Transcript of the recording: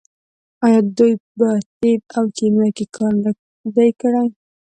آیا دوی په طب او کیمیا کې کار نه دی کړی؟